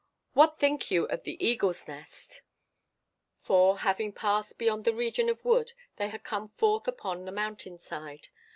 What think you of the Eagle's Nest?" For, having passed beyond the region of wood they had come forth upon the mountain side.